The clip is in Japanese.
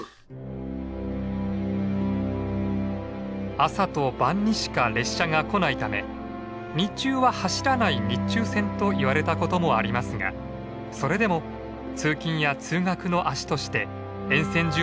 朝と晩にしか列車が来ないため「日中は走らない日中線」といわれたこともありますがそれでも通勤や通学の足として沿線住民の生活を支え続けました。